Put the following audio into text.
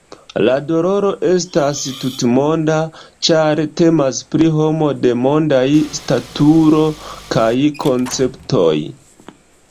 La doloro estas tutmonda, ĉar temas pri homo de mondaj staturo kaj konceptoj.